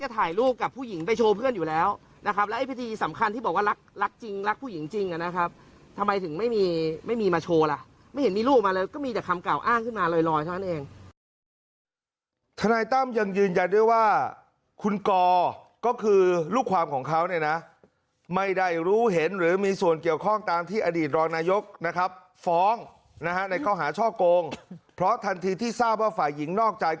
ถ้าเห็นมีรูปมาแล้วก็มีแต่คำเก่าอ้างขึ้นมาลอยท่านเอง